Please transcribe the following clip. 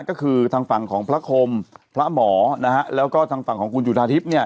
ก็คือทางฝั่งของพระคมพระหมอนะฮะแล้วก็ทางฝั่งของคุณจุธาทิพย์เนี่ย